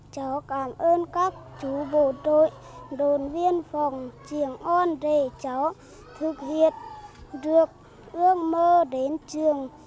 cháu cảm ơn các chú bộ đội đồn biên phòng triềng on để cháu thực hiện được ước mơ đến trường